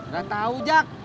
gak tau jak